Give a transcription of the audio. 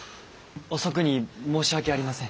遅くに申し訳ありません。